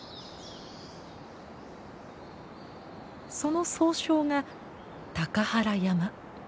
その総称が「高原山」。